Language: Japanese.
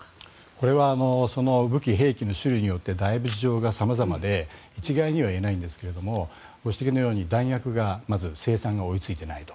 これは武器、兵器の種類によってだいぶ事情が様々で一概には言えないんですがご指摘のように弾薬がまず生産が追いついていないと。